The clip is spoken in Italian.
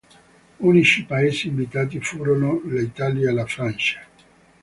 Unici Paesi invitati furono l'Italia e la Francia.